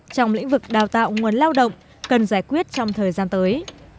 trong lĩnh vực đào tạo nguồn lao động cần giải quyết trong thời gian tới